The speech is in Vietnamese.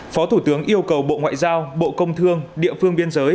phó thủ tướng yêu cầu bộ ngoại giao bộ công thương địa phương biên giới